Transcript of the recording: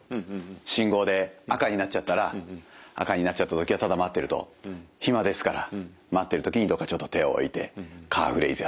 信号で赤になっちゃったら赤になっちゃった時はただ待ってると暇ですから待ってる時にどっかちょっと手を置いてカーフレイズやってみよう。